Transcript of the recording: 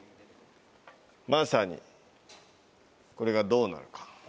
まさにこれがどうなるか。